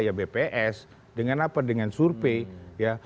ya bps dengan apa dengan surpay